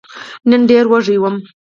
نن ډېر وږی وم !